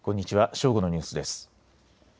正午のニュースです。